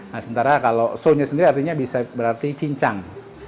nah sementara kalau so nya sendiri artinya bisa berarti cincang